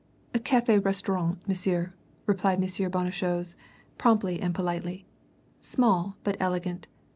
"Cáfe restaurant, monsieur," replied M. Bonnechose, promptly and politely. "Small, but elegant.